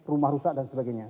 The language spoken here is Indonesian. rumah rusak dan sebagainya